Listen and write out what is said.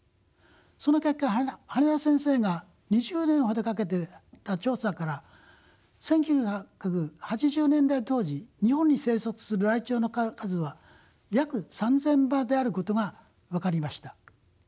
その結果羽田先生が２０年ほどかけた調査から１９８０年代当時日本に生息するライチョウの数は約３，０００羽であることが分かりました。